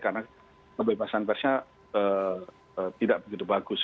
karena kebebasan persnya tidak begitu jelas